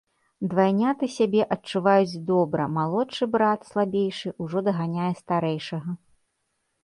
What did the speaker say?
Двайняты сябе адчуваюць добра, малодшы брат, слабейшы, ужо даганяе старэйшага.